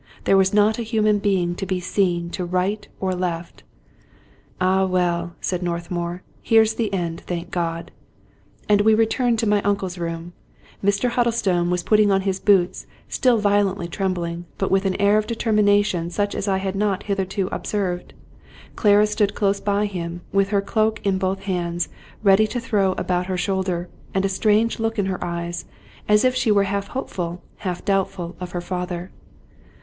There was not a human be ing to be seen to right or left. "Ah, welll" said Northmour, "here's the end, thank God!" And we returned to My Uncle's Room. Mr. Huddlestone was putting on his boots, still violently trembling, but with an air of determination such as I had not hitherto observed. Qara stood close by him, with her cloak in both hands ready to throw about her shoulders, and a strange look in her eyes, as if she were half hopeful, half doubtful of her father.